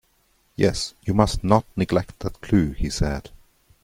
"Yes, you must not neglect that clue," he said.